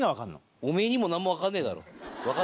おめぇにも何も分かんねえだろ若手